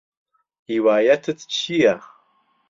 هیوایەتت چییە؟